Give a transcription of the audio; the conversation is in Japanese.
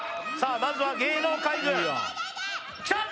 まずは芸能界軍きた！